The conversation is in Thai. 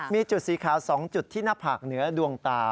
มีจุดสีขาว๒จุดที่หน้าผากเหนือดวงตา